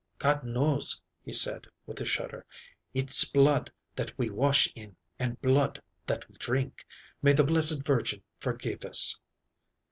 "God knows," he said with a shudder. "It's blood that we wash in and blood that we drink. May the Blessed Virgin forgive us."